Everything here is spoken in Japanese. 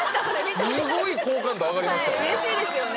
スゴい好感度上がりましたよね